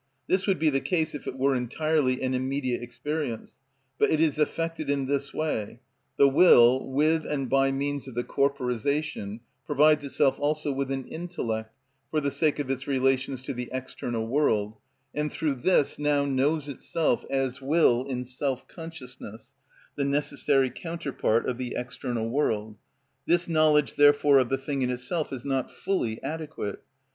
This would be the case if it were entirely an immediate experience; but it is effected in this way: the will, with and by means of the corporisation, provides itself also with an intellect (for the sake of its relations to the external world), and through this now knows itself as will in self consciousness (the necessary counterpart of the external world); this knowledge therefore of the thing in itself is not fully adequate.